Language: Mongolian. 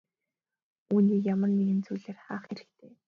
Үүнийг ямар нэгэн зүйлээр хаах хэрэгтэй.